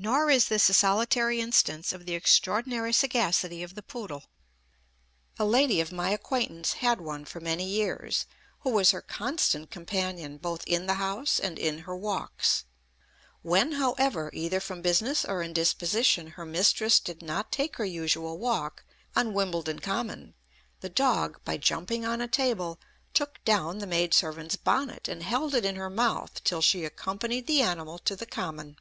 Nor is this a solitary instance of the extraordinary sagacity of the poodle. A lady of my acquaintance had one for many years, who was her constant companion both in the house and in her walks. When, however, either from business or indisposition, her mistress did not take her usual walk on Wimbledon Common, the dog, by jumping on a table, took down the maid servant's bonnet, and held it in her month till she accompanied the animal to the Common.